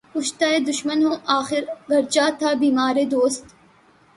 کُشتۂ دشمن ہوں آخر، گرچہ تھا بیمارِ دوست